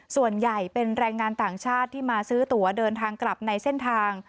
ส่วนใหญ่เป็นแรงงานต่างชาติที่มาซื้อตัวเดินทางกลับในเส้นทาง